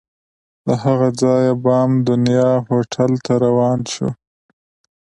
له هغه ځایه بام دنیا هوټل ته روان شوو.